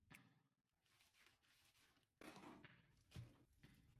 Ijodi bilan birga shaxsi ham xalq nazariga tushardi.